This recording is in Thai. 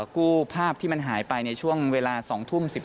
กู้ภาพที่มันหายไปในช่วงเวลา๒ทุ่ม๑๓